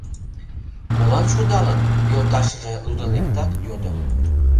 — Молан шудалын? — йолташыже лудын лектат, йодо.